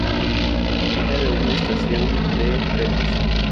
Dispone de una estación de trenes.